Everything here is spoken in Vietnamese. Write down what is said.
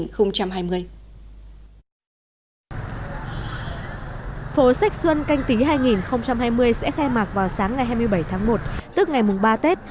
phố sách xuân canh tí hai nghìn hai mươi sẽ khai mạc vào sáng ngày hai mươi bảy tháng một tức ngày mùng ba tết